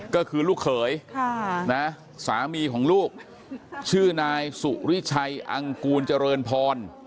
ก็คือลูกเขยสามีของลูกชื่อนายสุริชัยอังกูลเจริญพร